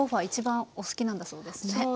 一番お好きなんだそうですね。